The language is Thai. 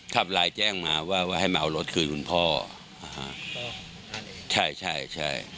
ไลน์แจ้งมาว่าว่าให้มาเอารถคืนคุณพ่ออ่าฮะใช่ใช่